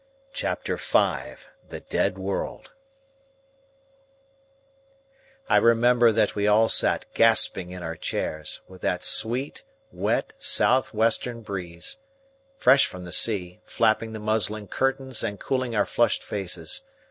Chapter V THE DEAD WORLD I remember that we all sat gasping in our chairs, with that sweet, wet south western breeze, fresh from the sea, flapping the muslin curtains and cooling our flushed faces.